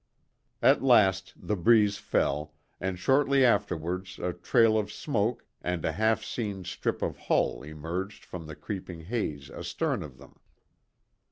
At last the breeze fell, and shortly afterwards a trail of smoke and a half seen strip of hull emerged from the creeping haze astern of them.